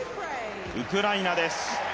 ウクライナです。